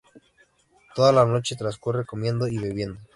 Toda la noche trascurre comiendo y bebiendo.